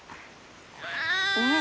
ねえ。